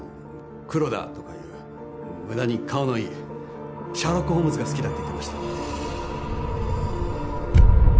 黒田とかいう無駄に顔のいいシャーロック・ホームズが好きだって言ってました